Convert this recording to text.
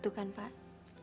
tidak semua suami begitu pak